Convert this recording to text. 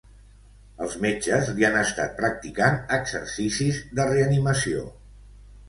Els metges li han estat practicant exercicis de reanimació.